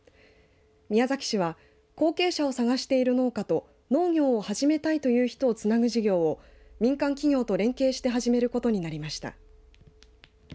宮崎市は後継者を探している農家と農業を始めたいという人をつなぐ事業を民間企業と連携して始めることになりました。